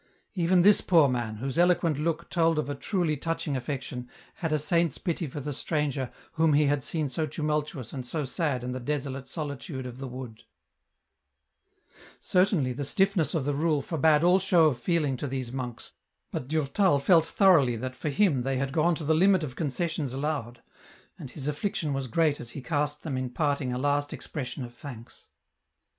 Even this poor man, whose eloquent look told of a truly touching affection, had a saint's pity for the stranger whom he had seen so tumultuous and so sad in the desolate solitude of the wood I X 2 308 EN ROUTE. Certainly the stiffness of the rule forbade all show of feeling to these monks, but Durtal felt thoroughly that for him they had gone to the limit of concessions allowed, and his affliction was great as he cast them in parting a last expression ot thanks.